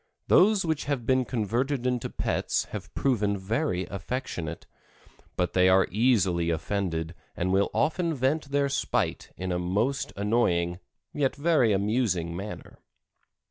Those which have been converted into pets have proven very affectionate, but they are easily offended and will often vent their spite in a most annoying yet very amusing manner.